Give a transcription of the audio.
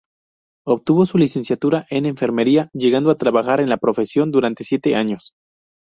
Obtuvo su licenciatura en enfermería, llegando a trabajar en la profesión durante siete años.